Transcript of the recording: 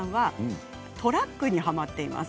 トラックにハマっています。